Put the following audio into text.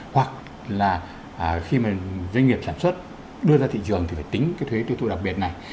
hoặc là khi mà doanh nghiệp sản xuất đưa ra thị trường thì phải tính cái thuế tiêu thụ đặc biệt này